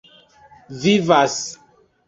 vivas